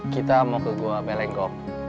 kita mau ke gua belengok